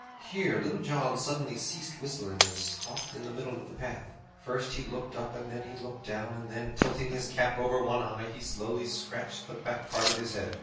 Here Little John suddenly ceased whistling and stopped in the middle of the path. First he looked up and then he looked down, and then, tilting his cap over one eye, he slowly scratched the back part of his head.